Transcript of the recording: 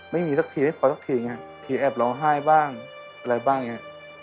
ไม่มีสักทีไม่พอสักทีไงทีแอบร้องไห้บ้างอะไรบ้างเนี่ย